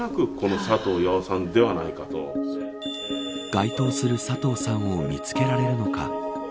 該当する佐藤さんを見つけられるのか。